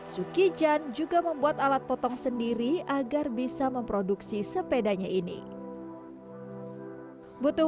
suki jan juga membuat alat potong sendiri agar bisa memproduksi sepedanya ini butuh